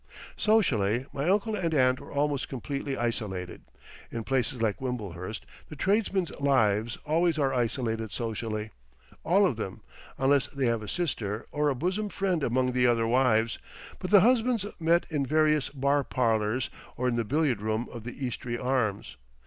Socially, my uncle and aunt were almost completely isolated. In places like Wimblehurst the tradesmen's lives always are isolated socially, all of them, unless they have a sister or a bosom friend among the other wives, but the husbands met in various bar parlours or in the billiard room of the Eastry Arms.